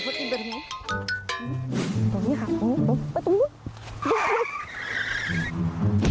ไปตรงนู้น